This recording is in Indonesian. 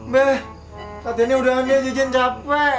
be saat ini udah aneh jejen capek